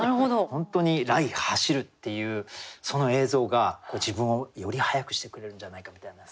本当に「雷迸る」っていうその映像が自分をより速くしてくれるんじゃないかみたいな。